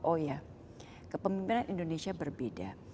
oh ya kepemimpinan indonesia berbeda